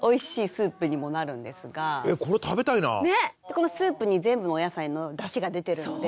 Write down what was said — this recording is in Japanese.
このスープに全部のお野菜のだしが出てるので。